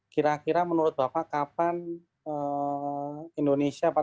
kira kira menurut bapak kapan indonesia